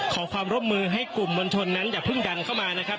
ขอความร่บมือให้กลุ่มมันชนนั้นจะพึ่งดังเข้ามานะครับ